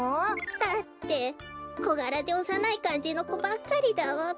だってこがらでおさないかんじのこばっかりだわべ。